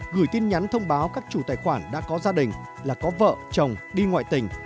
gửi tin nhắn thông báo các chủ tài khoản đã có gia đình là có vợ chồng đi ngoại tình